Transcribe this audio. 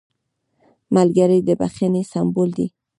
ملګری د بښنې سمبول دی